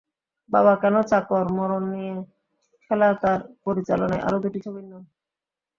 বাবা কেন চাকর, মরণ নিয়ে খেলা তাঁর পরিচালনায় আরো দুটি ছবির নাম।